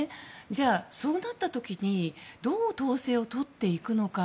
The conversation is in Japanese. じゃあ、そうなった時にどう統制をとっていくのか。